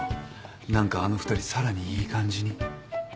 何かあの２人さらにいい感じに。